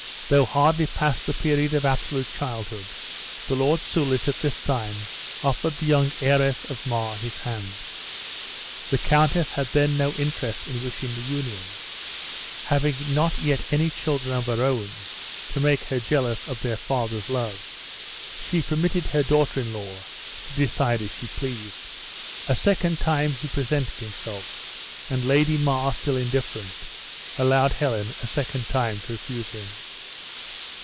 Though hardly past the period of absolute childhood, the Lord Soulis at this time offered the young heiress of Mar his hand. The countess had then no interest in wishing the union; having not yet any children of her own, to make her jealous for their father's love, she permitted her daughter in law to decide as she pleased. A second time he presented himself, and Lady Mar, still indifferent, allowed Helen a second time to refuse him.